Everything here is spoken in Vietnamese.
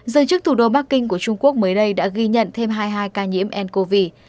giới chức thủ đô bắc kinh của trung quốc mới đây đã ghi nhận thêm hai mươi hai ca nhiễm ncov